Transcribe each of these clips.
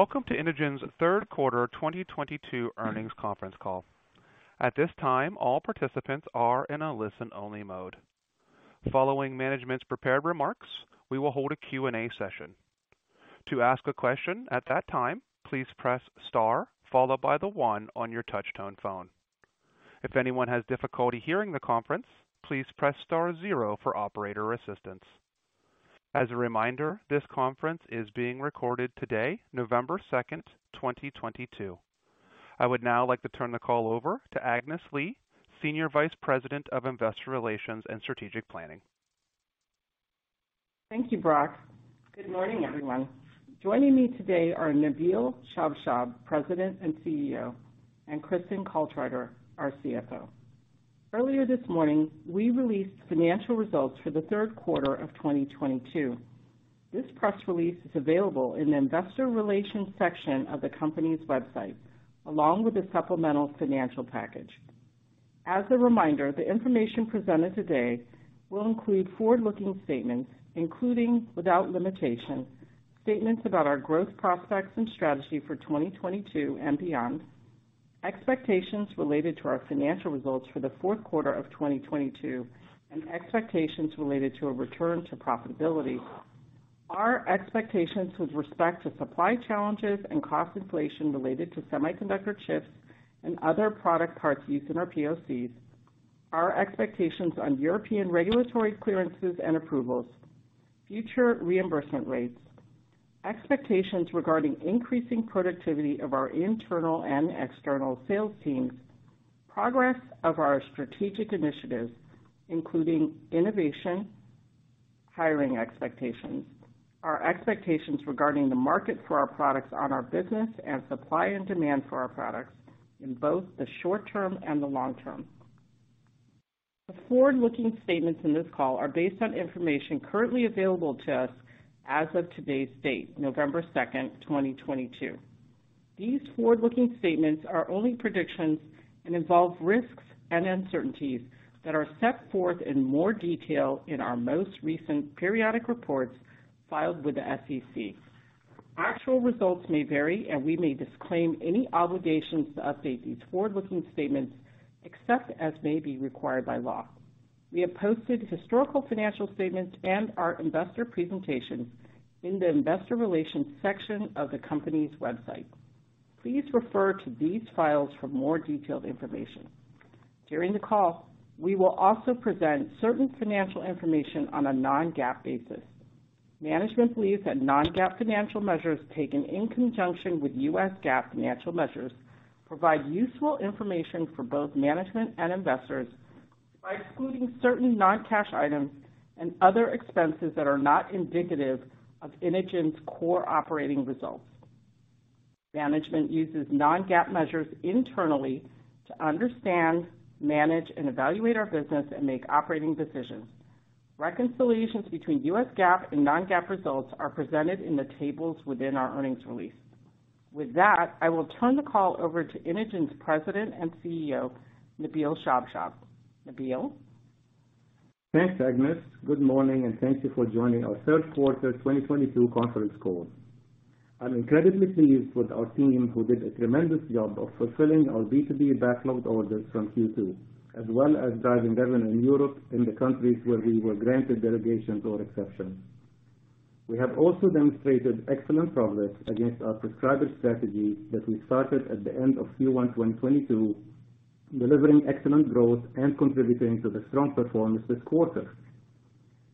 Welcome to Inogen's third quarter 2022 earnings conference call. At this time, all participants are in a listen-only mode. Following management's prepared remarks, we will hold a Q&A session. To ask a question at that time, please press star, followed by the one on your touch tone phone. If anyone has difficulty hearing the conference, please press star zero for operator assistance. As a reminder, this conference is being recorded today, November 2nd, 2022. I would now like to turn the call over to Agnes Lee, Senior Vice President of Investor Relations and Strategic Planning. Thank you, Brock. Good morning, everyone. Joining me today are Nabil Shabshab, President and CEO, and Kristin Caltrider, our CFO. Earlier this morning, we released financial results for the third quarter of 2022. This press release is available in the investor relations section of the company's website, along with the supplemental financial package. As a reminder, the information presented today will include forward-looking statements, including, without limitation, statements about our growth prospects and strategy for 2022 and beyond, expectations related to our financial results for the fourth quarter of 2022, and expectations related to a return to profitability. Our expectations with respect to supply challenges and cost inflation related to semiconductor chips and other product parts used in our POCs. Our expectations on European regulatory clearances and approvals. Future reimbursement rates. Expectations regarding increasing productivity of our internal and external sales teams. Progress of our strategic initiatives, including innovation, hiring expectations. Our expectations regarding the market for our products on our business and supply and demand for our products in both the short term and the long term. The forward-looking statements in this call are based on information currently available to us as of today's date, November 2nd, 2022. These forward-looking statements are only predictions and involve risks and uncertainties that are set forth in more detail in our most recent periodic reports filed with the SEC. Actual results may vary, and we may disclaim any obligations to update these forward-looking statements except as may be required by law. We have posted historical financial statements and our investor presentation in the investor relations section of the company's website. Please refer to these files for more detailed information. During the call, we will also present certain financial information on a non-GAAP basis. Management believes that non-GAAP financial measures taken in conjunction with U.S. GAAP financial measures provide useful information for both management and investors by excluding certain non-cash items and other expenses that are not indicative of Inogen's core operating results. Management uses non-GAAP measures internally to understand, manage, and evaluate our business and make operating decisions. Reconciliations between U.S. GAAP and non-GAAP results are presented in the tables within our earnings release. With that, I will turn the call over to Inogen's President and CEO, Nabil Shabshab. Nabil. Thanks, Agnes. Good morning, and thank you for joining our third quarter 2022 conference call. I'm incredibly pleased with our team who did a tremendous job of fulfilling our B2B backlogged orders from Q2, as well as driving revenue in Europe in the countries where we were granted delegations or exceptions. We have also demonstrated excellent progress against our prescribed strategy that we started at the end of Q1 2022, delivering excellent growth and contributing to the strong performance this quarter.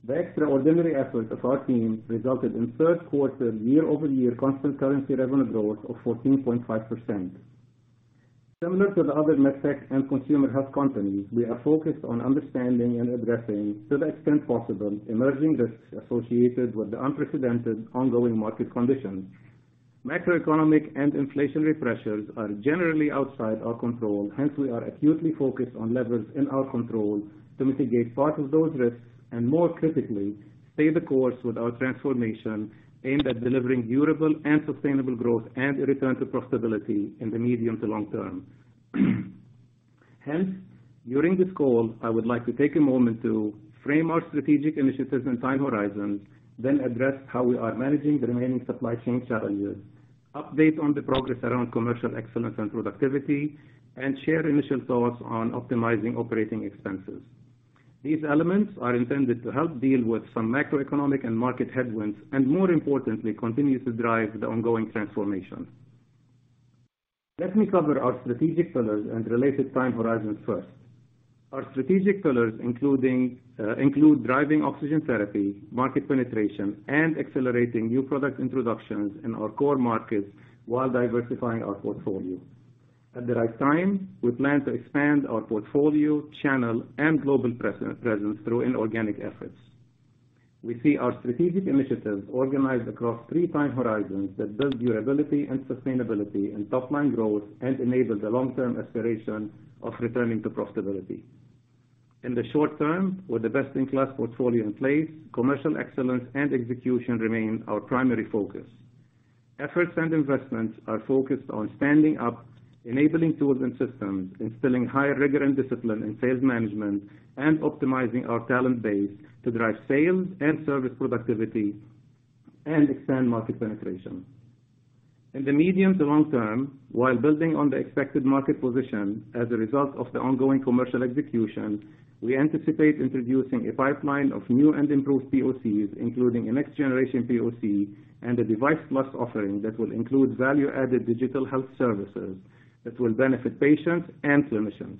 The extraordinary effort of our team resulted in third quarter year-over-year constant currency revenue growth of 14.5%. Similar to the other MedTech and consumer health companies, we are focused on understanding and addressing, to the extent possible, emerging risks associated with the unprecedented ongoing market conditions. Macroeconomic and inflationary pressures are generally outside our control. Hence, we are acutely focused on levers in our control to mitigate part of those risks and more critically, stay the course with our transformation aimed at delivering durable and sustainable growth and a return to profitability in the medium to long term. Hence, during this call, I would like to take a moment to frame our strategic initiatives and time horizons, then address how we are managing the remaining supply chain challenges, update on the progress around commercial excellence and productivity, and share initial thoughts on optimizing operating expenses. These elements are intended to help deal with some macroeconomic and market headwinds, and more importantly, continue to drive the ongoing transformation. Let me cover our strategic pillars and related time horizons first. Our strategic pillars include driving oxygen therapy, market penetration, and accelerating new product introductions in our core markets while diversifying our portfolio. At the right time, we plan to expand our portfolio, channel, and global presence through inorganic efforts. We see our strategic initiatives organized across three time horizons that build durability and sustainability in top-line growth and enable the long-term aspiration of returning to profitability. In the short term, with the best-in-class portfolio in place, commercial excellence and execution remain our primary focus. Efforts and investments are focused on standing up enabling tools and systems, instilling higher rigor and discipline in sales management, and optimizing our talent base to drive sales and service productivity and expand market penetration. In the medium to long term, while building on the expected market position as a result of the ongoing commercial execution, we anticipate introducing a pipeline of new and improved POCs, including a next-generation POC and a device plus offering that will include value-added digital health services that will benefit patients and clinicians.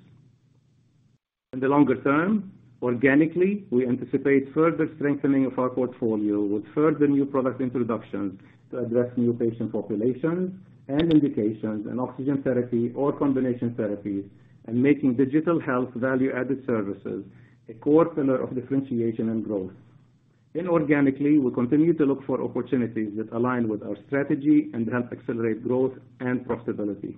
In the longer term, organically, we anticipate further strengthening of our portfolio with further new product introductions to address new patient populations and indications and oxygen therapy or combination therapies, and making digital health value-added services a core pillar of differentiation and growth. Inorganically, we'll continue to look for opportunities that align with our strategy and help accelerate growth and profitability.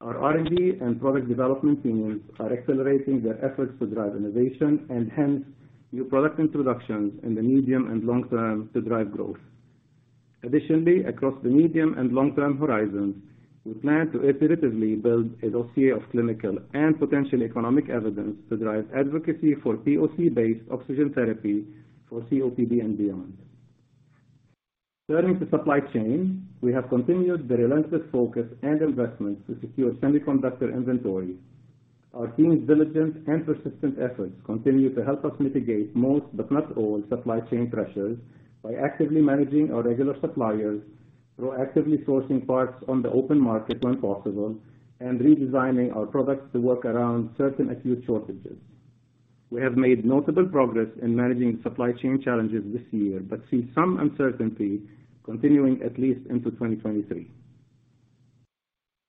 Our R&D and product development teams are accelerating their efforts to drive innovation and hence new product introductions in the medium and long term to drive growth. Additionally, across the medium and long-term horizons, we plan to iteratively build a dossier of clinical and potential economic evidence to drive advocacy for POC-based oxygen therapy for COPD and beyond. Turning to supply chain. We have continued the relentless focus and investment to secure semiconductor inventory. Our team's diligence and persistent efforts continue to help us mitigate most, but not all, supply chain pressures by actively managing our regular suppliers through actively sourcing parts on the open market when possible and redesigning our products to work around certain acute shortages. We have made notable progress in managing supply chain challenges this year, but see some uncertainty continuing at least into 2023.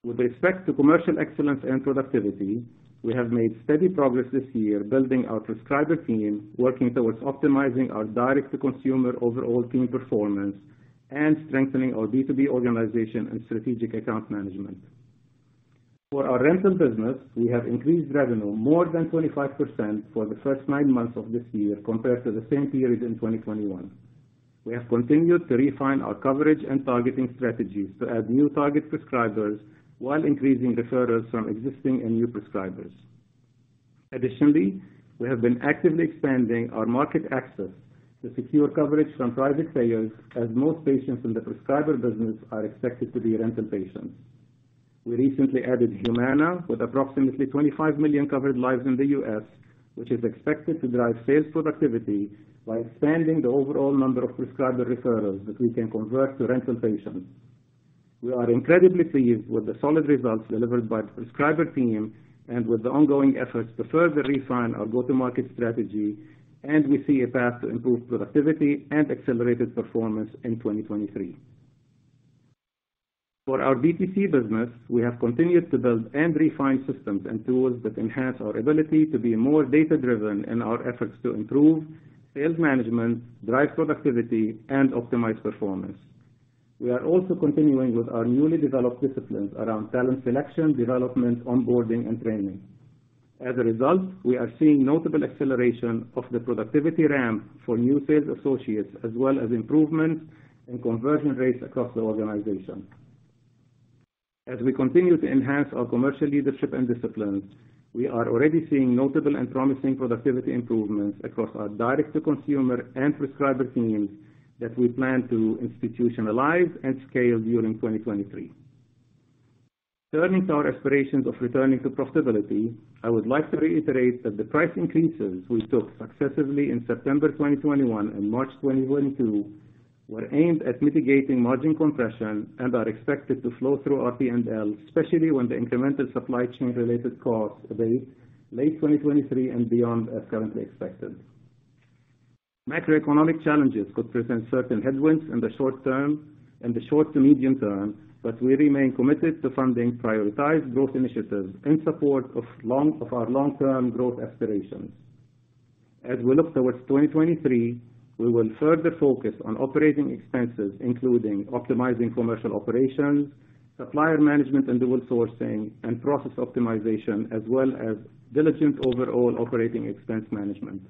With respect to commercial excellence and productivity, we have made steady progress this year building our prescriber team, working towards optimizing our direct-to-consumer overall team performance, and strengthening our B2B organization and strategic account management. For our rental business, we have increased revenue more than 25% for the first nine months of this year compared to the same period in 2021. We have continued to refine our coverage and targeting strategies to add new target prescribers while increasing referrals from existing and new prescribers. Additionally, we have been actively expanding our market access to secure coverage from private payers, as most patients in the prescriber business are expected to be rental patients. We recently added Humana with approximately 25 million covered lives in the U.S., which is expected to drive sales productivity by expanding the overall number of prescriber referrals that we can convert to rental patients. We are incredibly pleased with the solid results delivered by the prescriber team and with the ongoing efforts to further refine our go-to-market strategy, and we see a path to improved productivity and accelerated performance in 2023. For our DTC business, we have continued to build and refine systems and tools that enhance our ability to be more data-driven in our efforts to improve sales management, drive productivity, and optimize performance. We are also continuing with our newly developed disciplines around talent selection, development, onboarding, and training. As a result, we are seeing notable acceleration of the productivity ramp for new sales associates, as well as improvements in conversion rates across the organization. As we continue to enhance our commercial leadership and disciplines, we are already seeing notable and promising productivity improvements across our direct-to-consumer and prescriber teams that we plan to institutionalize and scale during 2023. Turning to our aspirations of returning to profitability, I would like to reiterate that the price increases we took successively in September 2021 and March 2022 were aimed at mitigating margin compression and are expected to flow through our P&L, especially when the incremental supply chain-related costs abate late 2023 and beyond as currently expected. Macroeconomic challenges could present certain headwinds in the short to medium term, but we remain committed to funding prioritized growth initiatives in support of our long-term growth aspirations. As we look towards 2023, we will further focus on operating expenses, including optimizing commercial operations, supplier management, and dual sourcing and process optimization, as well as diligent overall operating expense management.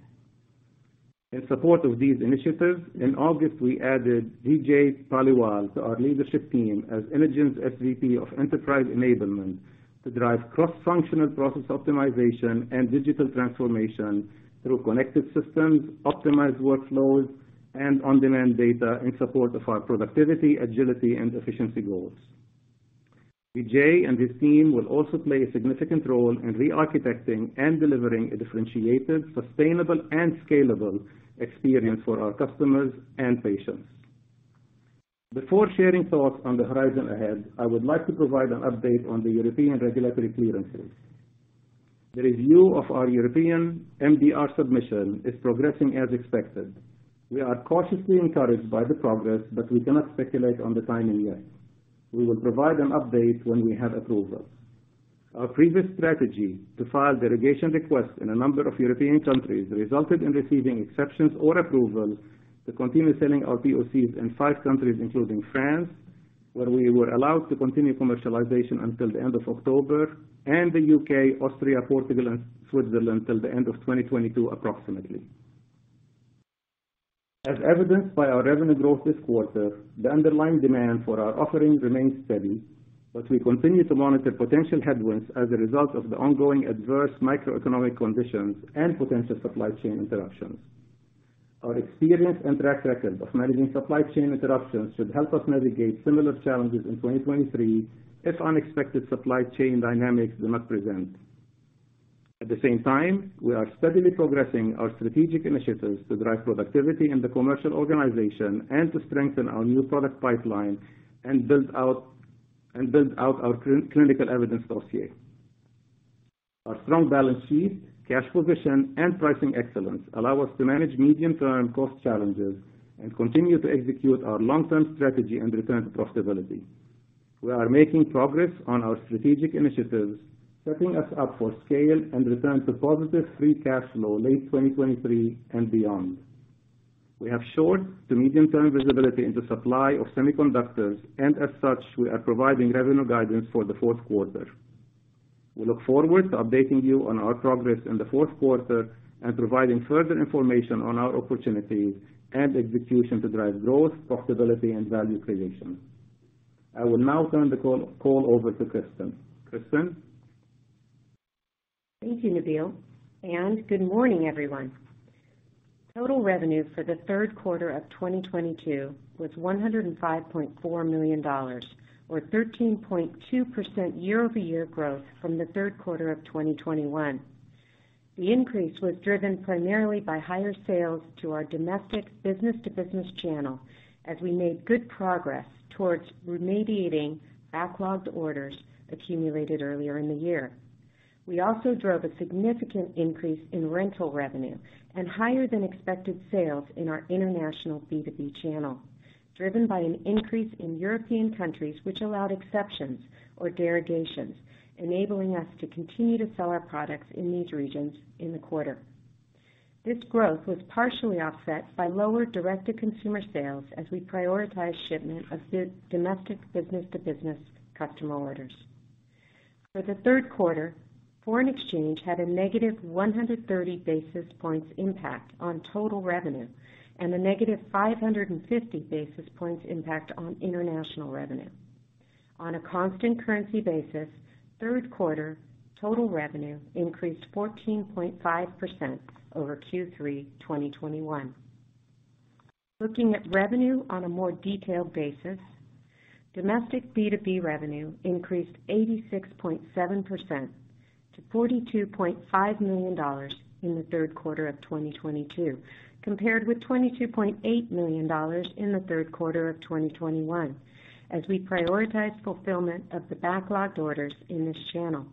In support of these initiatives, in August, we added Vijay Paliwal to our leadership team as Inogen's SVP of Enterprise Enablement to drive cross-functional process optimization and digital transformation through connected systems, optimized workflows, and on-demand data in support of our productivity, agility, and efficiency goals. Vijay and his team will also play a significant role in re-architecting and delivering a differentiated, sustainable, and scalable experience for our customers and patients. Before sharing thoughts on the horizon ahead, I would like to provide an update on the European regulatory clearances. The review of our European MDR submission is progressing as expected. We are cautiously encouraged by the progress, but we cannot speculate on the timing yet. We will provide an update when we have approval. Our previous strategy to file delegation requests in a number of European countries resulted in receiving exceptions or approvals to continue selling our POCs in five countries, including France, where we were allowed to continue commercialization until the end of October, and the U.K., Austria, Portugal, and Switzerland till the end of 2022, approximately. As evidenced by our revenue growth this quarter, the underlying demand for our offerings remains steady, but we continue to monitor potential headwinds as a result of the ongoing adverse macroeconomic conditions and potential supply chain interruptions. Our experience and track record of managing supply chain interruptions should help us navigate similar challenges in 2023 if unexpected supply chain dynamics do not present. At the same time, we are steadily progressing our strategic initiatives to drive productivity in the commercial organization and to strengthen our new product pipeline and build out our clinical evidence dossier. Our strong balance sheet, cash position and pricing excellence allow us to manage medium-term cost challenges and continue to execute our long-term strategy and return to profitability. We are making progress on our strategic initiatives, setting us up for scale and return to positive free cash flow late 2023 and beyond. We have short to medium-term visibility into supply of semiconductors, and as such, we are providing revenue guidance for the fourth quarter. We look forward to updating you on our progress in the fourth quarter and providing further information on our opportunities and execution to drive growth, profitability and value creation. I will now turn the call over to Kristin. Kristin. Thank you, Nabil, and good morning, everyone. Total revenue for the third quarter of 2022 was $105.4 million or 13.2% year-over-year growth from the third quarter of 2021. The increase was driven primarily by higher sales to our domestic business-to-business channel as we made good progress towards remediating backlogged orders accumulated earlier in the year. We also drove a significant increase in rental revenue and higher than expected sales in our international B2B channel, driven by an increase in European countries which allowed exceptions or derogations, enabling us to continue to sell our products in these regions in the quarter. This growth was partially offset by lower direct-to-consumer sales as we prioritize shipment of our domestic business-to-business customer orders. For the third quarter, foreign exchange had a negative 100 basis points impact on total revenue and a negative 550 basis points impact on international revenue. On a constant currency basis, third quarter total revenue increased 14.5% over Q3 2021. Looking at revenue on a more detailed basis, domestic B2B revenue increased 86.7% to $42.5 million in the third quarter of 2022, compared with $22.8 million in the third quarter of 2021 as we prioritize fulfillment of the backlogged orders in this channel.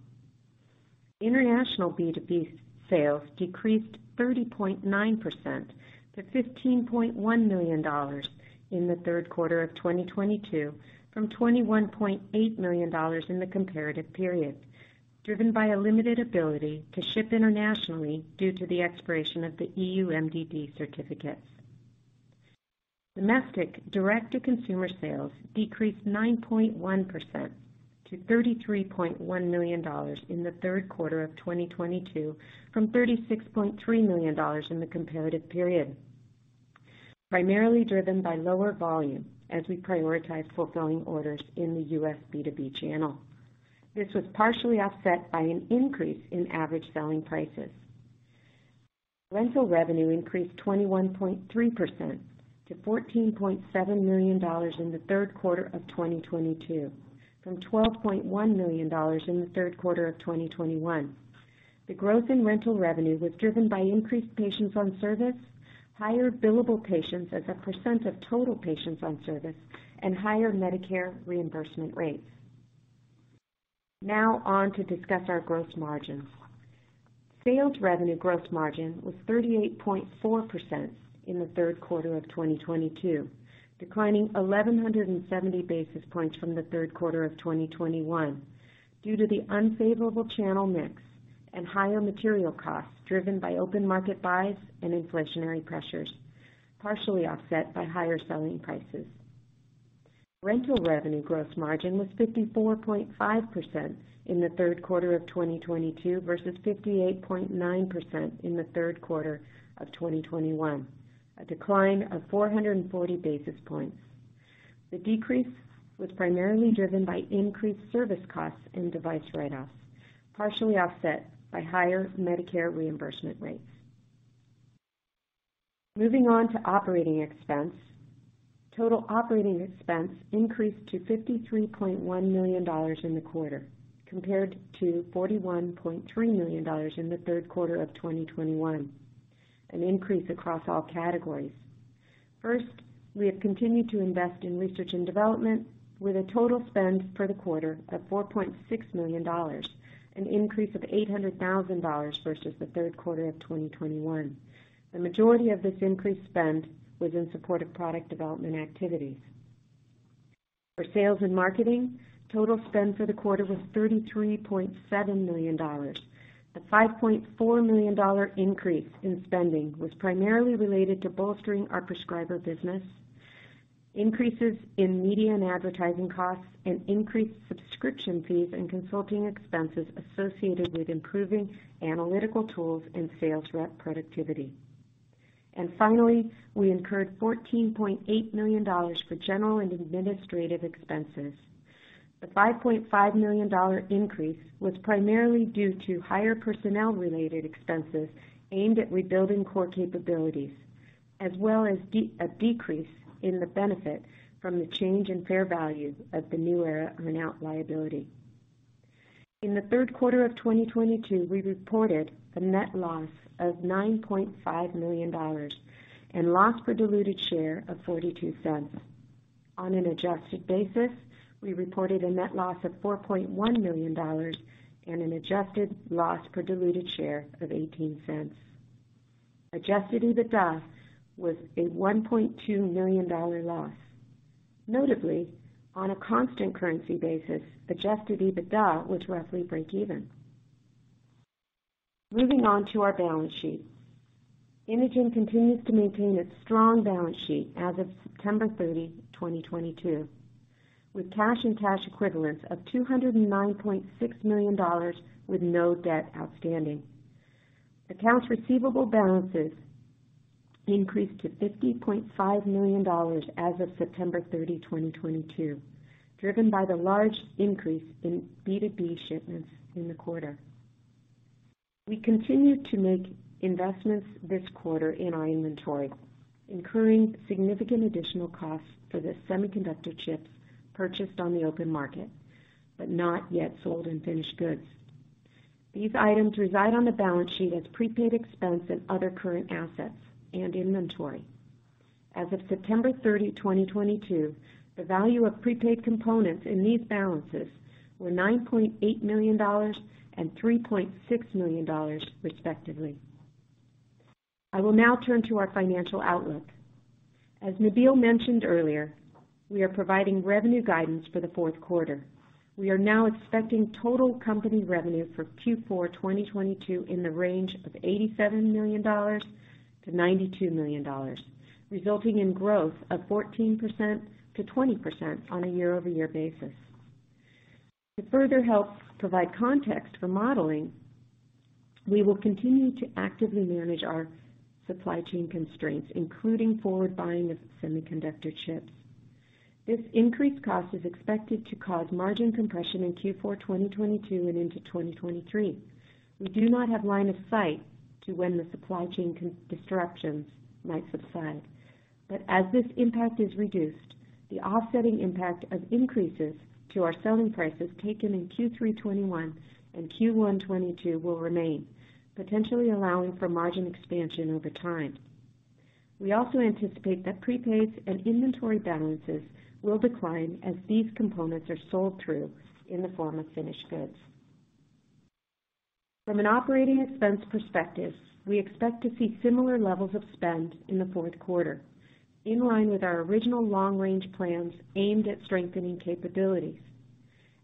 International B2B sales decreased 30.9% to $15.1 million in the third quarter of 2022 from $21.8 million in the comparative period, driven by a limited ability to ship internationally due to the expiration of the EU MDD certificates. Domestic direct-to-consumer sales decreased 9.1% to $33.1 million in the third quarter of 2022 from $36.3 million in the comparative period, primarily driven by lower volume as we prioritize fulfilling orders in the U.S. B2B channel. This was partially offset by an increase in average selling prices. Rental revenue increased 21.3% to $14.7 million in the third quarter of 2022 from $12.1 million in the third quarter of 2021. The growth in rental revenue was driven by increased patients on service, higher billable patients as a % of total patients on service, and higher Medicare reimbursement rates. Now on to discuss our gross margins. Sales revenue gross margin was 38.4% in the third quarter of 2022, declining 1,170 basis points from the third quarter of 2021 due to the unfavorable channel mix and higher material costs driven by open market buys and inflationary pressures, partially offset by higher selling prices. Rental revenue gross margin was 54.5% in the third quarter of 2022 versus 58.9% in the third quarter of 2021. A decline of 440 basis points. The decrease was primarily driven by increased service costs in device write-offs, partially offset by higher Medicare reimbursement rates. Moving on to operating expense. Total operating expense increased to $53.1 million in the quarter, compared to $41.3 million in the third quarter of 2021, an increase across all categories. First, we have continued to invest in research and development with a total spend for the quarter of $4.6 million, an increase of $800,000 versus the third quarter of 2021. The majority of this increased spend was in support of product development activities. For sales and marketing, total spend for the quarter was $33.7 million. The $5.4 million increase in spending was primarily related to bolstering our prescriber business, increases in media and advertising costs, and increased subscription fees and consulting expenses associated with improving analytical tools and sales rep productivity. Finally, we incurred $14.8 million for general and administrative expenses. The $5.5 million increase was primarily due to higher personnel-related expenses aimed at rebuilding core capabilities, as well as a decrease in the benefit from the change in fair value of the New Aera earnout liability. In the third quarter of 2022, we reported a net loss of $9.5 million and loss per diluted share of $0.42. On an adjusted basis, we reported a net loss of $4.1 million and an adjusted loss per diluted share of $0.18. Adjusted EBITDA was a $1.2 million loss. Notably, on a constant currency basis, adjusted EBITDA was roughly break even. Moving on to our balance sheet. Inogen continues to maintain its strong balance sheet as of September 30, 2022, with cash and cash equivalents of $209.6 million with no debt outstanding. Accounts receivable balances increased to $50.5 million as of September 30, 2022, driven by the large increase in B2B shipments in the quarter. We continued to make investments this quarter in our inventory, incurring significant additional costs for the semiconductor chips purchased on the open market, but not yet sold in finished goods. These items reside on the balance sheet as prepaid expense and other current assets and inventory. As of September 30, 2022, the value of prepaid components in these balances were $9.8 million and $3.6 million, respectively. I will now turn to our financial outlook. As Nabil mentioned earlier, we are providing revenue guidance for the fourth quarter. We are now expecting total company revenue for Q4 2022 in the range of $87 million-$92 million, resulting in growth of 14%-20% on a year-over-year basis. To further help provide context for modeling, we will continue to actively manage our supply chain constraints, including forward buying of semiconductor chips. This increased cost is expected to cause margin compression in Q4 2022 and into 2023. We do not have line of sight to when the supply chain disruptions might subside. As this impact is reduced, the offsetting impact of increases to our selling prices taken in Q3 2021 and Q1 2022 will remain, potentially allowing for margin expansion over time. We also anticipate that prepaids and inventory balances will decline as these components are sold through in the form of finished goods. From an operating expense perspective, we expect to see similar levels of spend in the fourth quarter, in line with our original long-range plans aimed at strengthening capabilities.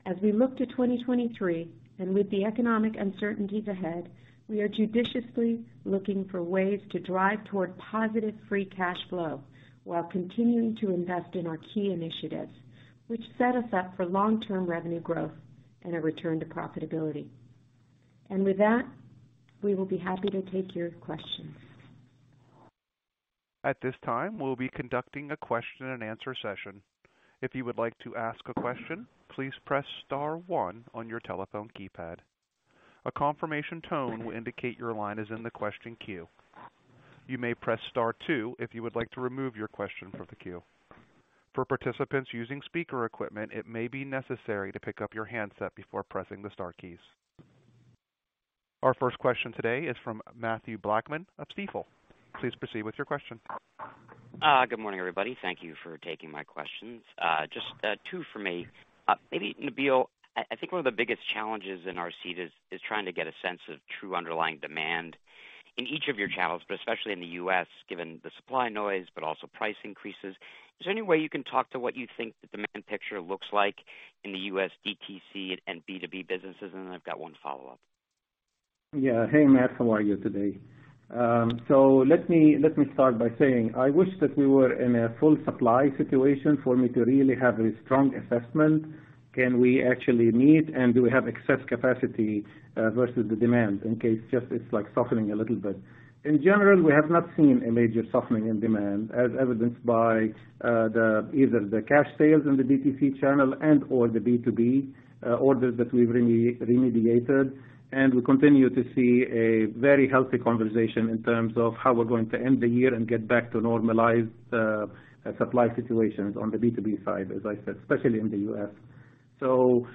As we look to 2023, and with the economic uncertainties ahead, we are judiciously looking for ways to drive toward positive free cash flow while continuing to invest in our key initiatives, which set us up for long-term revenue growth and a return to profitability. With that, we will be happy to take your questions. At this time, we'll be conducting a question and answer session. If you would like to ask a question, please press star one on your telephone keypad. A confirmation tone will indicate your line is in the question queue. You may press star two if you would like to remove your question from the queue. For participants using speaker equipment, it may be necessary to pick up your handset before pressing the star keys. Our first question today is from Mathew Blackman of Stifel. Please proceed with your question. Good morning, everybody. Thank you for taking my questions. Just two for me. Maybe Nabil, I think one of the biggest challenges in our space is trying to get a sense of true underlying demand in each of your channels, but especially in the U.S., given the supply noise, but also price increases. Is there any way you can talk to what you think the demand picture looks like in the U.S. DTC and B2B businesses? Then I've got one follow-up. Yeah. Hey, Mat, how are you today? Let me start by saying, I wish that we were in a full supply situation for me to really have a strong assessment. Can we actually meet, and do we have excess capacity versus the demand in case just it's like softening a little bit. In general, we have not seen a major softening in demand as evidenced by either the cash sales in the DTC channel and/or the B2B orders that we're remediating. We continue to see a very healthy conversation in terms of how we're going to end the year and get back to normalized supply situations on the B2B side, as I said, especially in the U.S..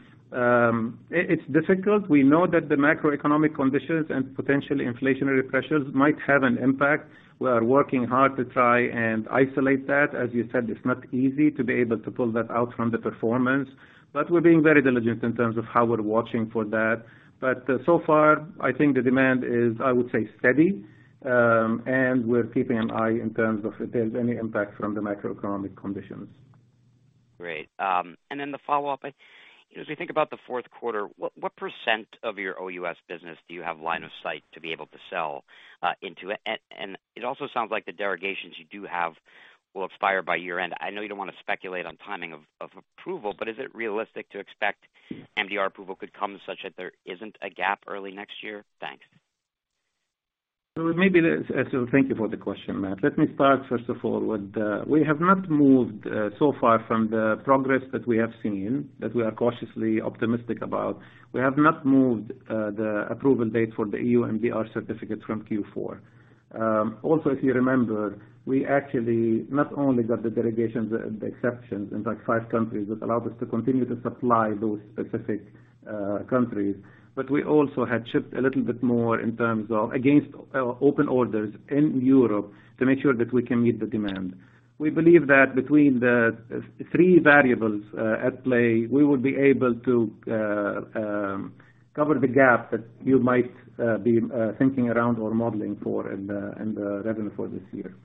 It's difficult. We know that the macroeconomic conditions and potential inflationary pressures might have an impact. We are working hard to try and isolate that. As you said, it's not easy to be able to pull that out from the performance, but we're being very diligent in terms of how we're watching for that. So far, I think the demand is, I would say, steady, and we're keeping an eye in terms of if there's any impact from the macroeconomic conditions. Great. The follow-up, as we think about the fourth quarter, what percent of your OUS business do you have line of sight to be able to sell into it? It also sounds like the derogations you do have will expire by year-end. I know you don't wanna speculate on timing of approval, but is it realistic to expect MDR approval could come such that there isn't a gap early next year? Thanks. Thank you for the question, Mat. Let me start first of all with we have not moved so far from the progress that we have seen that we are cautiously optimistic about. We have not moved the approval date for the EU and MDR certificates from Q4. Also, if you remember, we actually not only got the delegations and the exceptions in like five countries that allowed us to continue to supply those specific countries, but we also had shipped a little bit more in terms of against open orders in Europe to make sure that we can meet the demand. We believe that between the three variables at play, we will be able to cover the gap that you might be thinking around or modeling for in the revenue for this year.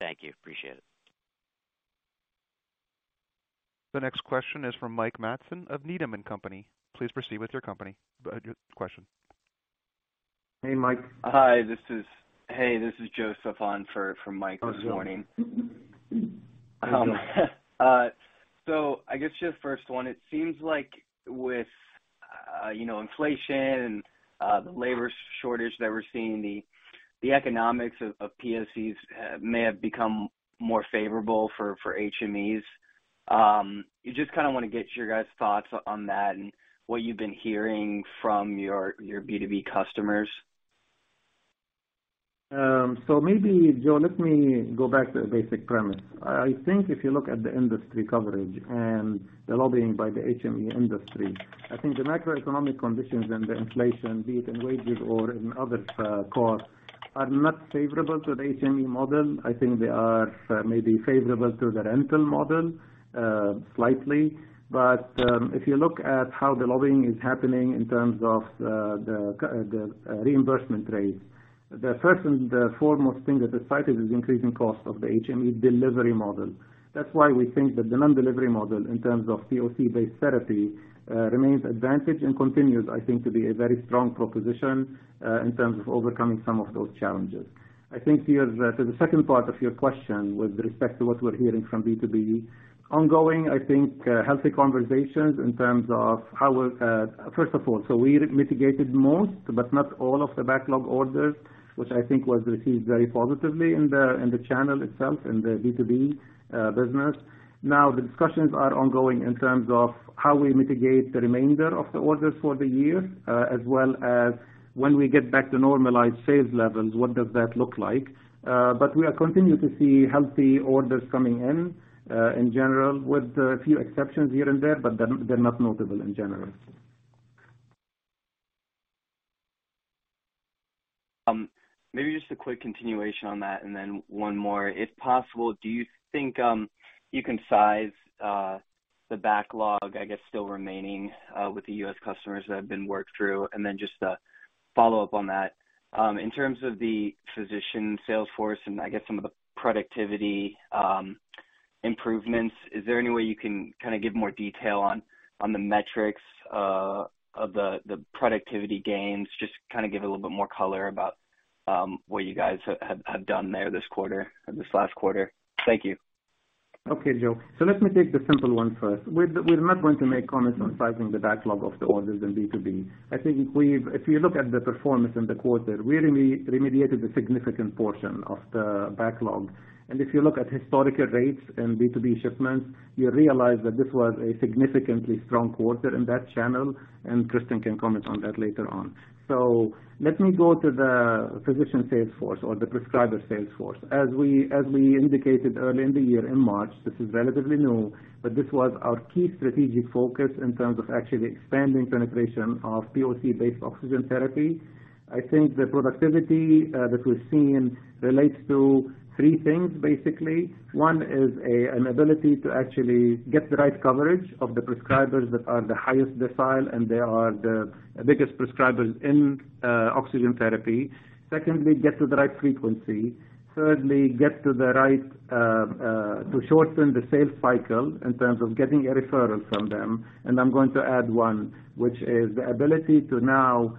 Thank you. Appreciate it. The next question is from Mike Matson of Needham & Company. Please proceed with your question. Hey, Mike. Hey, this is Joseph on for Mike this morning. How's it going? I guess just first one, it seems like with, you know, inflation and the labor shortage that we're seeing, the economics of POCs may have become more favorable for HMEs. You just kinda wanna get your guys' thoughts on that and what you've been hearing from your B2B customers. Maybe, Joe, let me go back to the basic premise. I think if you look at the industry coverage and the lobbying by the HME industry, I think the macroeconomic conditions and the inflation, be it in wages or in other, costs, are not favorable to the HME model. I think they are, maybe favorable to the rental model, slightly. If you look at how the lobbying is happening in terms of the reimbursement rates, the first and the foremost thing that they cited is increasing cost of the HME delivery model. That's why we think that the non-delivery model, in terms of POC-based therapy, remains advantage and continues, I think, to be a very strong proposition, in terms of overcoming some of those challenges. I think to the second part of your question with respect to what we're hearing from B2B, ongoing, I think, healthy conversations in terms of how. First of all, we mitigated most, but not all of the backlog orders, which I think was received very positively in the channel itself, in the B2B business. Now, the discussions are ongoing in terms of how we mitigate the remainder of the orders for the year, as well as when we get back to normalized sales levels, what does that look like? We are continuing to see healthy orders coming in general, with a few exceptions here and there, but they're not notable in general. Maybe just a quick continuation on that, and then one more. If possible, do you think you can size the backlog, I guess, still remaining with the U.S. customers that have been worked through? Just to follow up on that, in terms of the physician sales force and I guess some of the productivity improvements, is there any way you can kinda give more detail on the metrics of the productivity gains? Just kinda give a little bit more color about what you guys have done there this quarter, this last quarter. Thank you. Okay, Joe. Let me take the simple one first. We're not going to make comments on sizing the backlog of the orders in B2B. I think if you look at the performance in the quarter, we really remediated a significant portion of the backlog. If you look at historical rates and B2B shipments, you realize that this was a significantly strong quarter in that channel, and Kristen can comment on that later on. Let me go to the physician sales force or the prescriber sales force. As we indicated early in the year, in March, this is relatively new, but this was our key strategic focus in terms of actually expanding penetration of POC-based oxygen therapy. I think the productivity that we're seeing relates to three things, basically. One is an ability to actually get the right coverage of the prescribers that are the highest decile, and they are the biggest prescribers in oxygen therapy. Secondly, get to the right frequency. Thirdly, to shorten the sales cycle in terms of getting a referral from them. I'm going to add one, which is the ability to now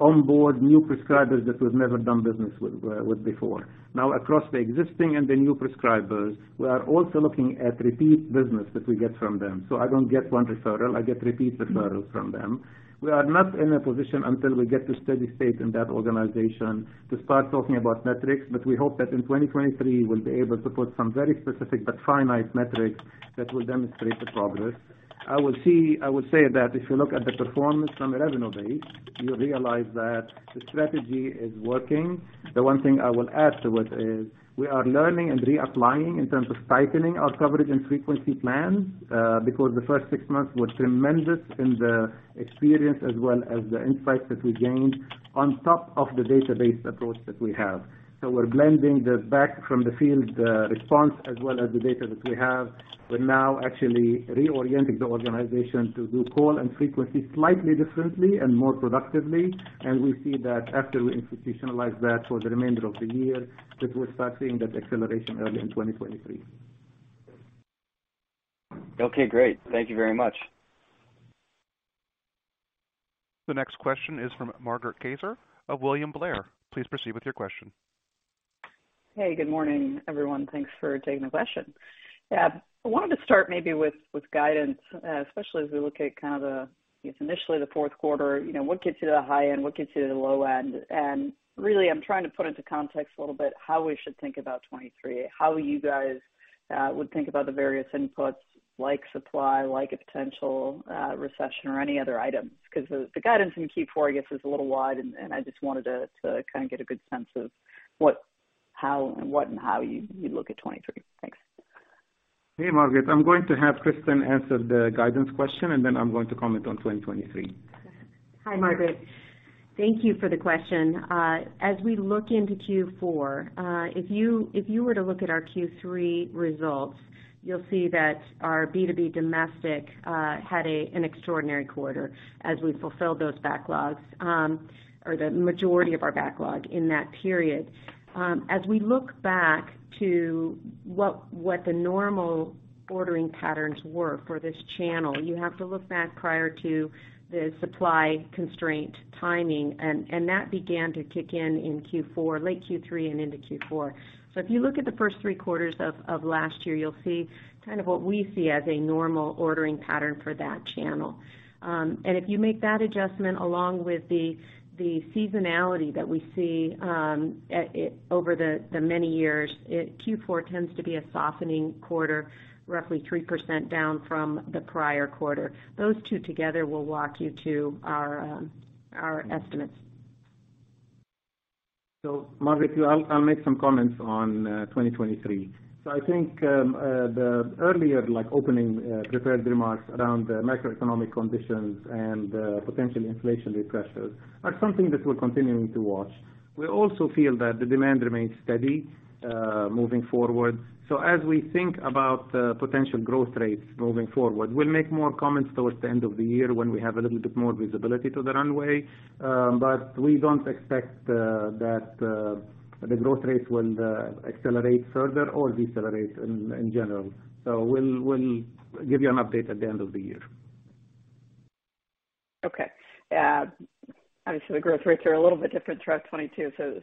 onboard new prescribers that we've never done business with before. Now across the existing and the new prescribers, we are also looking at repeat business that we get from them. I don't get one referral, I get repeat referrals from them. We are not in a position until we get to steady state in that organization to start talking about metrics, but we hope that in 2023 we'll be able to put some very specific but finite metrics that will demonstrate the progress. I will say that if you look at the performance from a revenue base, you realize that the strategy is working. The one thing I will add to it is we are learning and reapplying in terms of stifling our coverage and frequency plans, because the first six months was tremendous in the experience as well as the insights that we gained on top of the database approach that we have. We're blending the feedback from the field response as well as the data that we have. We're now actually reorienting the organization to do call and frequency slightly differently and more productively. We see that after we institutionalize that for the remainder of the year, that we're starting that acceleration early in 2023. Okay, great. Thank you very much. The next question is from Margaret Kaczor of William Blair. Please proceed with your question. Hey, good morning, everyone. Thanks for taking the question. Yeah. I wanted to start maybe with guidance, especially as we look at kind of, I guess, initially the fourth quarter. You know, what gets you to the high end, what gets you to the low end? Really, I'm trying to put into context a little bit how we should think about 2023. How you guys would think about the various inputs like supply, like a potential recession or any other items. Because the guidance in Q4, I guess, is a little wide, and I just wanted to kind of get a good sense of what how and what and how you look at 2023. Thanks. Hey, Margaret. I'm going to have Kristin answer the guidance question, and then I'm going to comment on 2023. Hi, Margaret. Thank you for the question. As we look into Q4, if you were to look at our Q3 results, you'll see that our B2B domestic had an extraordinary quarter as we fulfilled those backlogs, or the majority of our backlog in that period. As we look back to what the normal ordering patterns were for this channel, you have to look back prior to the supply constraint timing, and that began to kick in in Q4, late Q3 and into Q4. If you look at the first three quarters of last year, you'll see kind of what we see as a normal ordering pattern for that channel. If you make that adjustment along with the seasonality that we see over the many years, it. Q4 tends to be a softening quarter, roughly 3% down from the prior quarter. Those two together will walk you to our estimates. Margaret, I'll make some comments on 2023. I think the earlier like opening prepared remarks around the macroeconomic conditions and potential inflationary pressures are something that we're continuing to watch. We also feel that the demand remains steady moving forward. As we think about potential growth rates moving forward, we'll make more comments towards the end of the year when we have a little bit more visibility to the runway. We don't expect that the growth rates will accelerate further or decelerate in general. We'll give you an update at the end of the year. Okay. Obviously the growth rates are a little bit different throughout 2022.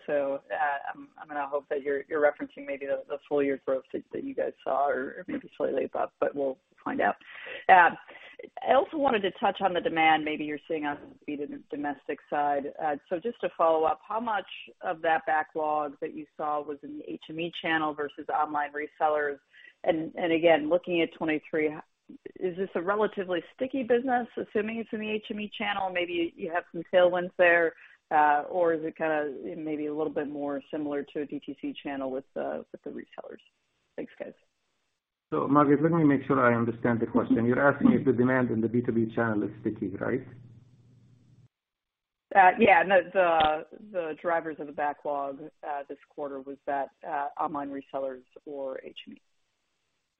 I'm gonna hope that you're referencing maybe the full year growth that you guys saw or maybe slightly above, but we'll find out. I also wanted to touch on the demand maybe you're seeing on the B2B domestic side. Just to follow up, how much of that backlog that you saw was in the HME channel versus online resellers? Again, looking at 2023, is this a relatively sticky business, assuming it's in the HME channel? Maybe you have some tailwinds there, or is it kind maybe a little bit more similar to a DTC channel with the retailers? Thanks, guys. Margaret, let me make sure I understand the question. You're asking if the demand in the B2B channel is sticky, right? Yeah. No. The drivers of the backlog this quarter was that online resellers or HME.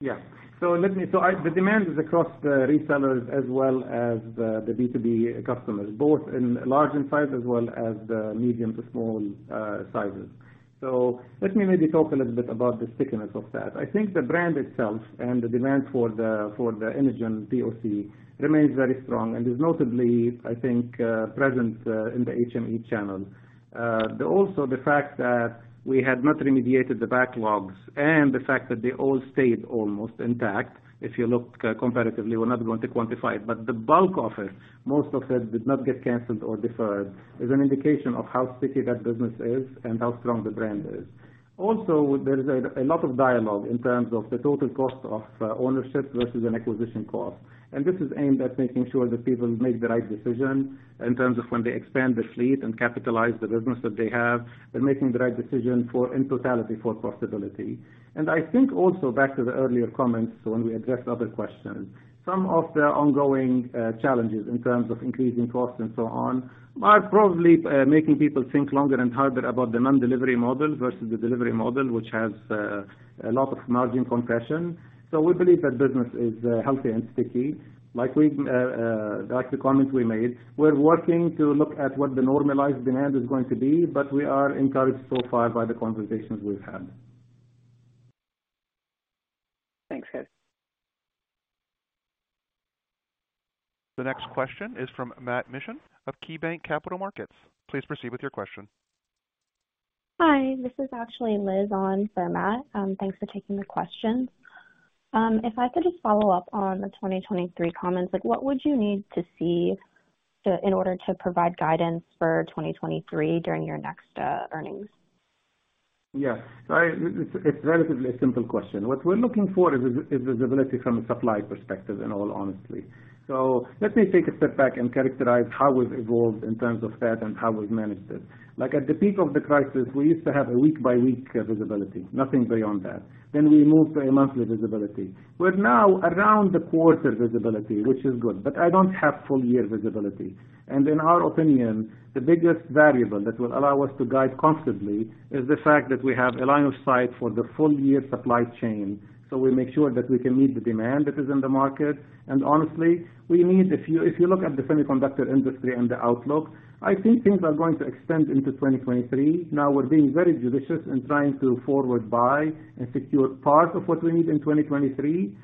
The demand is across the resellers as well as the B2B customers, both in large in size as well as the medium to small sizes. Let me maybe talk a little bit about the stickiness of that. I think the brand itself and the demand for the Inogen POC remains very strong and is notably, I think, present in the HME channel. Also the fact that we had not remediated the backlogs and the fact that they all stayed almost intact, if you look comparatively, we're not going to quantify it. But the bulk of it, most of it did not get canceled or deferred, is an indication of how sticky that business is and how strong the brand is. There is a lot of dialogue in terms of the total cost of ownership versus an acquisition cost. This is aimed at making sure that people make the right decision in terms of when they expand the fleet and capitalize the business that they have and making the right decision for in totality for profitability. I think also back to the earlier comments when we addressed other questions, some of the ongoing challenges in terms of increasing costs and so on are probably making people think longer and harder about the non-delivery model versus the delivery model, which has a lot of margin compression. We believe that business is healthy and sticky. Like the comment we made, we're working to look at what the normalized demand is going to be, but we are encouraged so far by the conversations we've had. Thanks, guys. The next question is from Matt Mishan of KeyBanc Capital Markets. Please proceed with your question. Hi. This is actually Liz on for Matt. Thanks for taking the question. If I could just follow up on the 2023 comments, like what would you need to see in order to provide guidance for 2023 during your next earnings? Yeah. It's relatively a simple question. What we're looking for is visibility from a supply perspective, in all honesty. Let me take a step back and characterize how we've evolved in terms of that and how we've managed it. Like at the peak of the crisis, we used to have a week-by-week visibility, nothing beyond that. Then we moved to a monthly visibility. We're now around the quarter visibility, which is good, but I don't have full year visibility. In our opinion, the biggest variable that will allow us to guide constantly is the fact that we have a line of sight for the full year supply chain, so we make sure that we can meet the demand that is in the market. Honestly, we need. If you look at the semiconductor industry and the outlook, I think things are going to extend into 2023. Now, we're being very judicious in trying to forward buy and secure part of what we need in 2023.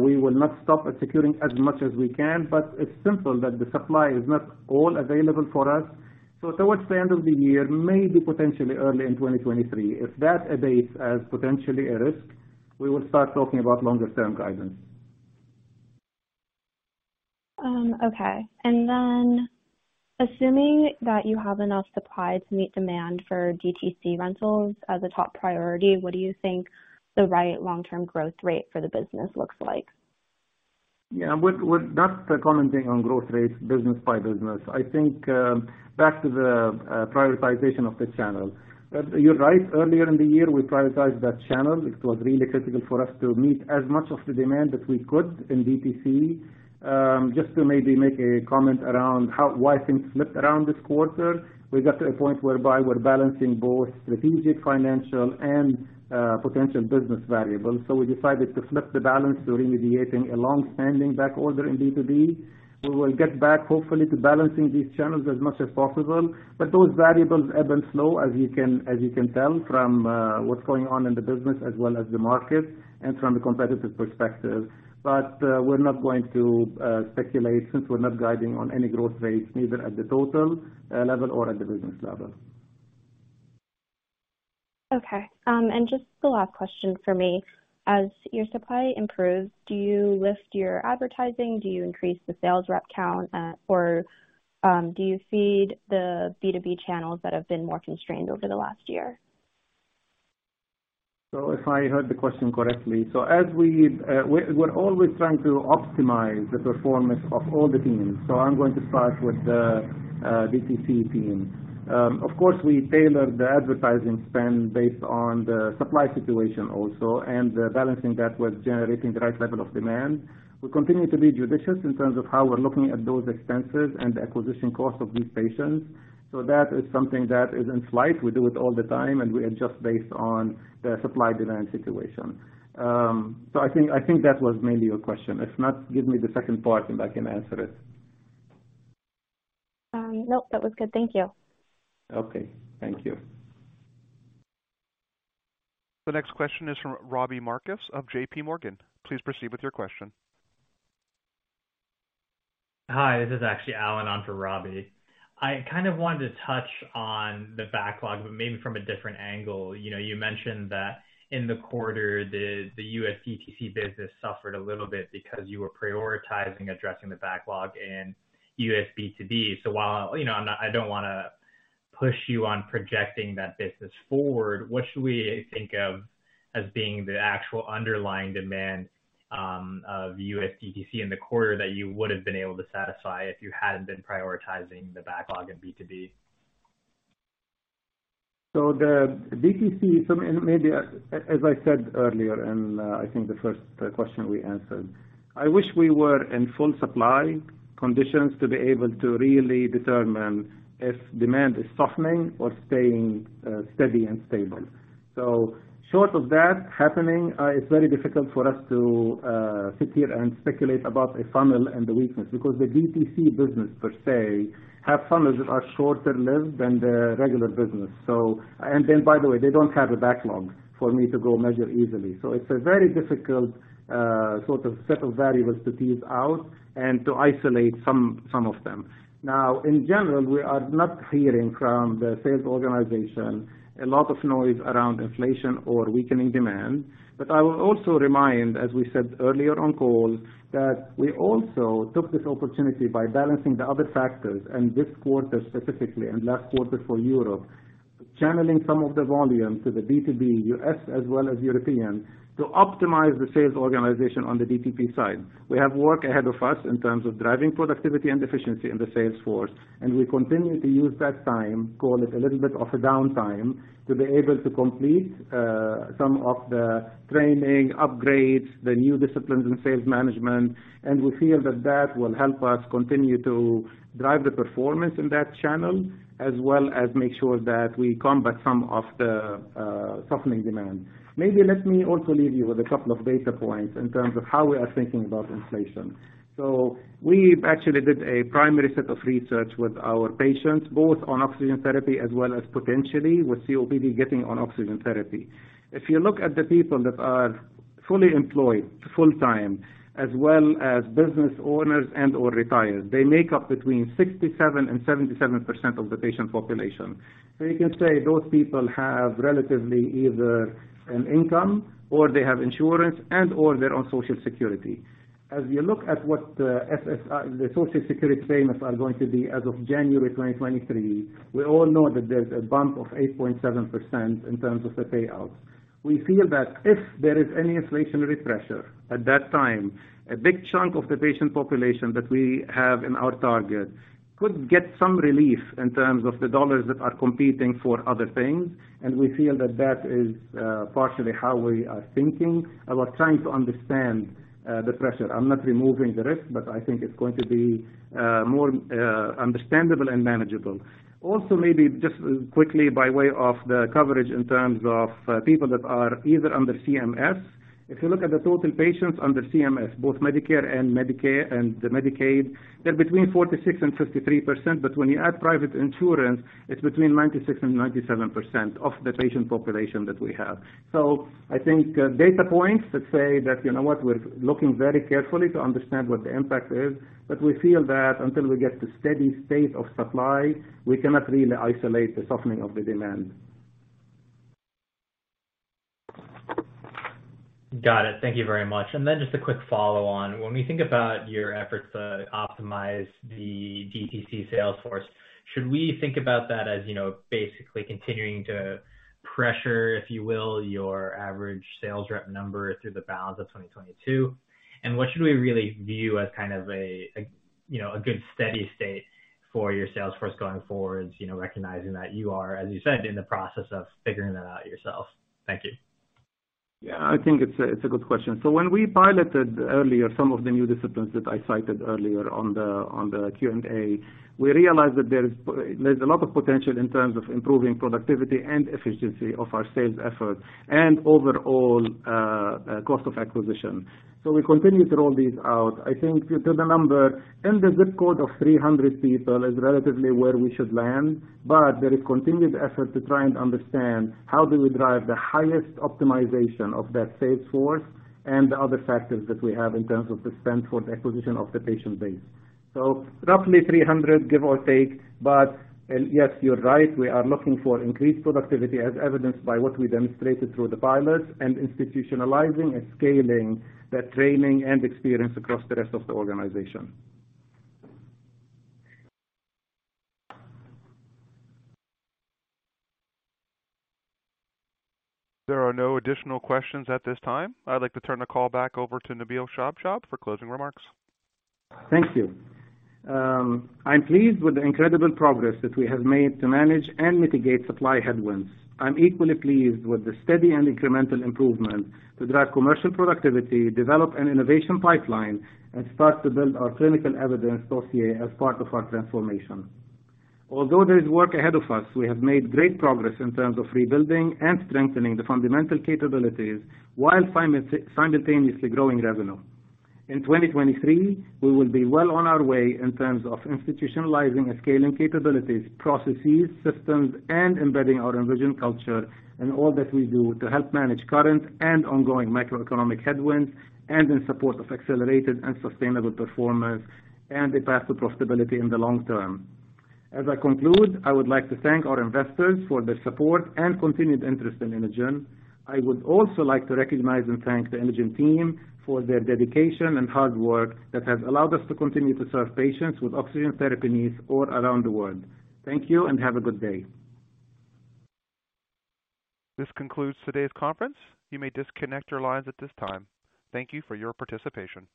We will not stop at securing as much as we can, but it's simply that the supply is not all available for us. Towards the end of the year, maybe potentially early in 2023, if that abates as potentially a risk, we will start talking about longer term guidance. Assuming that you have enough supply to meet demand for DTC rentals as a top priority, what do you think the right long-term growth rate for the business looks like? Yeah. We're not commenting on growth rates business by business. I think back to the prioritization of the channel. You're right. Earlier in the year, we prioritized that channel. It was really critical for us to meet as much of the demand that we could in DTC. Just to maybe make a comment around why things flipped around this quarter. We got to a point whereby we're balancing both strategic, financial, and potential business variables. We decided to flip the balance to remediating a long-standing backorder in B2B. We will get back hopefully to balancing these channels as much as possible. Those variables ebb and flow, as you can tell from what's going on in the business as well as the market and from the competitive perspective. We're not going to speculate since we're not guiding on any growth rates, neither at the total level or at the business level. Okay. Just the last question for me. As your supply improves, do you lift your advertising? Do you increase the sales rep count? Or, do you feed the B2B channels that have been more constrained over the last year? If I heard the question correctly. We're always trying to optimize the performance of all the teams. I'm going to start with the DTC team. Of course, we tailor the advertising spend based on the supply situation also and balancing that with generating the right level of demand. We continue to be judicious in terms of how we're looking at those expenses and the acquisition cost of these patients. That is something that is in flight. We do it all the time, and we adjust based on the supply-demand situation. I think that was mainly your question. If not, give me the second part, and I can answer it. Nope. That was good. Thank you. Okay. Thank you. The next question is from Robbie Marcus of JPMorgan. Please proceed with your question. Hi, this is actually Allen on for Robbie. I kind of wanted to touch on the backlog, but maybe from a different angle. You know, you mentioned that in the quarter, the U.S. DTC business suffered a little bit because you were prioritizing addressing the backlog in U.S. B2B. While, you know, I don't wanna push you on projecting that business forward, what should we think of as being the actual underlying demand of U.S. DTC in the quarter that you would have been able to satisfy if you hadn't been prioritizing the backlog in B2B? The DTC, as I said earlier in, I think the first question we answered, I wish we were in full supply conditions to be able to really determine if demand is softening or staying steady and stable. Short of that happening, it's very difficult for us to sit here and speculate about a funnel and the weakness because the DTC business per se have funnels that are shorter lived than the regular business. By the way, they don't have a backlog for me to go measure easily. It's a very difficult sort of set of variables to tease out and to isolate some of them. Now, in general, we are not hearing from the sales organization a lot of noise around inflation or weakening demand. I will also remind, as we said earlier on call, that we also took this opportunity by balancing the other factors and this quarter specifically and last quarter for Europe, channeling some of the volume to the B2B U.S. as well as European to optimize the sales organization on the DTC side. We have work ahead of us in terms of driving productivity and efficiency in the sales force, and we continue to use that time, call it a little bit of a downtime, to be able to complete some of the training upgrades, the new disciplines in sales management. We feel that that will help us continue to drive the performance in that channel as well as make sure that we combat some of the softening demand. Maybe let me also leave you with a couple of data points in terms of how we are thinking about inflation. We've actually did a primary set of research with our patients, both on oxygen therapy as well as potentially with COPD getting on oxygen therapy. If you look at the people that are fully employed full-time as well as business owners and/or retired, they make up between 67% and 77% of the patient population. You can say those people have relatively either an income or they have insurance and/or they're on Social Security. As we look at what SSI, the Social Security payments are going to be as of January 2023, we all know that there's a bump of 8.7% in terms of the payout. We feel that if there is any inflationary pressure at that time, a big chunk of the patient population that we have in our target could get some relief in terms of the dollars that are competing for other things. We feel that that is partially how we are thinking about trying to understand the pressure. I'm not removing the risk, but I think it's going to be more understandable and manageable. Also, maybe just quickly by way of the coverage in terms of people that are either under CMS. If you look at the total patients under CMS, both Medicare and Medicaid, they're between 46% and 53%. When you add private insurance, it's between 96% and 97% of the patient population that we have. I think data points that say that, you know what, we're looking very carefully to understand what the impact is, but we feel that until we get to steady state of supply, we cannot really isolate the softening of the demand. Got it. Thank you very much. Then just a quick follow on. When we think about your efforts to optimize the DTC sales force, should we think about that as, you know, basically continuing to pressure, if you will, your average sales rep number through the balance of 2022? What should we really view as kind of a, you know, a good steady state for your sales force going forward, you know, recognizing that you are, as you said, in the process of figuring that out yourself. Thank you. Yeah. I think it's a good question. When we piloted earlier some of the new disciplines that I cited earlier on the Q&A, we realized that there's a lot of potential in terms of improving productivity and efficiency of our sales efforts and overall cost of acquisition. We continue to roll these out. I think the number and the headcount of 300 people is relatively where we should land. But there is continued effort to try and understand how do we drive the highest optimization of that sales force and the other factors that we have in terms of the spend for the acquisition of the patient base. Roughly 300, give or take. Yes, you're right, we are looking for increased productivity as evidenced by what we demonstrated through the pilots and institutionalizing and scaling that training and experience across the rest of the organization. There are no additional questions at this time. I'd like to turn the call back over to Nabil Shabshab for closing remarks. Thank you. I'm pleased with the incredible progress that we have made to manage and mitigate supply headwinds. I'm equally pleased with the steady and incremental improvement to drive commercial productivity, develop an innovation pipeline, and start to build our clinical evidence dossier as part of our transformation. Although there is work ahead of us, we have made great progress in terms of rebuilding and strengthening the fundamental capabilities while simultaneously growing revenue. In 2023, we will be well on our way in terms of institutionalizing and scaling capabilities, processes, systems, and embedding our Envision culture in all that we do to help manage current and ongoing macroeconomic headwinds and in support of accelerated and sustainable performance and the path to profitability in the long term. As I conclude, I would like to thank our investors for their support and continued interest in Inogen. I would also like to recognize and thank the Inogen team for their dedication and hard work that has allowed us to continue to serve patients with oxygen therapy needs all around the world. Thank you and have a good day. This concludes today's conference. You may disconnect your lines at this time. Thank you for your participation.